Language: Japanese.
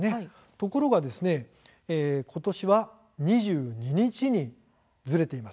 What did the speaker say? ところが、ことしは２２日にずれています。